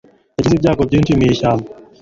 Yagize ibyago byinshi mwishyamba